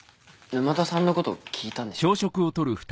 沼田さんのこと聞いたんでしょ？